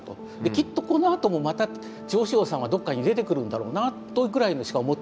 きっとこのあともまた趙紫陽さんはどっかに出てくるんだろうなというぐらいにしか思ってなかった。